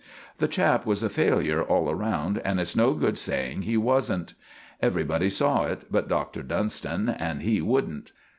The chap was a failure all round, and it's no good saying he wasn't. Everybody saw it but Doctor Dunston, and he wouldn't.